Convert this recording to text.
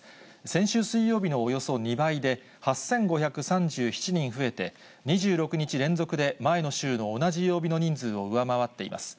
先週水曜日のおよそ２倍で、８５３７人増えて、２６日連続で前の週の同じ曜日の人数を上回っています。